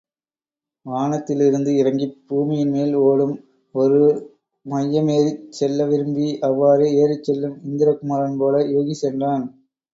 வானத்திலிருந்து இறங்கிப் பூமியின்மேல் ஒடும் ஒரு வையமேறிச் செல்லவிரும்பி அவ்வாறே ஏறிச்செல்லும் இந்திரகுமரன்போல யூகி சென்றான்.